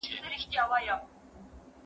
نوي تولیدي میتودونه په فابریکو کي ازمویل کیږي.